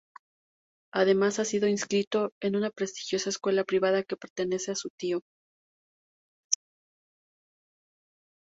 Además, ha sido inscrito en una prestigiosa escuela privada que pertenece a su tío.